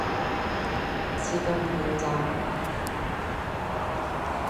지금 당장!